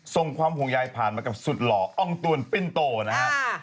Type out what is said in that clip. ส่งความห่วงใยผ่านมากับสุดหล่ออ้องตวนปิ้นโตนะครับ